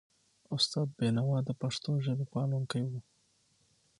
استاد بینوا د پښتو ژبي پالونکی و.